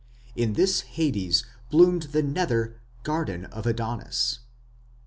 In this Hades bloomed the nether "garden of Adonis".